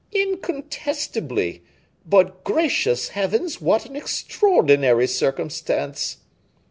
"Incontestably! but, gracious heavens, what an extraordinary circumstance!"